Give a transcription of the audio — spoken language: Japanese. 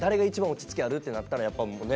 落ち着きある？ってなったらやっぱもうね。